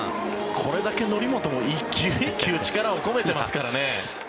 これだけ則本も１球１球力を込めてますからね。